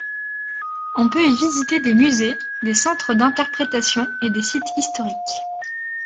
On peut y visiter des musées, des centres d'interprétations et des sites historiques.